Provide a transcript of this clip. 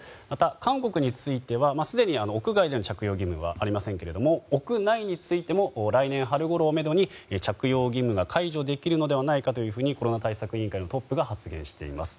韓国についてはすでに屋外での着用義務はありませんが屋内についても来年春ごろをめどに着用義務が解除できるのではないかというふうにコロナ対策委員会のトップが発言しています。